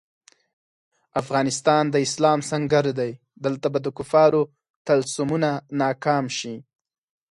افغانستان د اسلام سنګر دی، دلته به د کفارو طلسمونه ناکام شي.